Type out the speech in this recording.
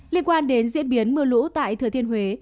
liên quan đến diễn biến mưa lũ tại thừa thiên huế